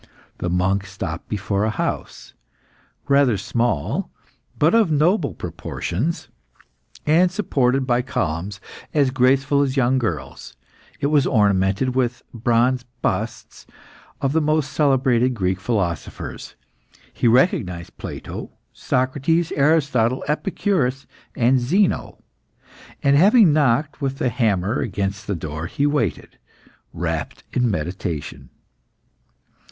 The monk stopped before a house, rather small, but of noble proportions, and supported by columns as graceful as young girls. It was ornamented with bronze busts of the most celebrated Greek philosophers. He recognised Plato, Socrates, Aristotle, Epicurus, and Zeno, and having knocked with the hammer against the door, he waited, wrapped in meditation.